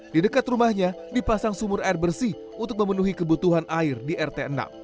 di dekat rumahnya dipasang sumur air bersih untuk memenuhi kebutuhan air di rt enam